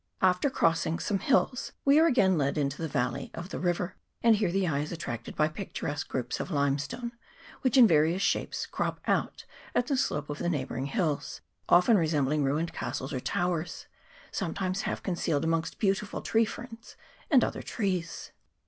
After crossing over some hills we are again led into the valley of the river ; and here the eye is attracted by picturesque groups of limestone, which in various shapes crop out at the slope of the neighbouring hills, often resembling ruined castles or towers, sometimes half concealed amongst beautiful tree ferns and other trees.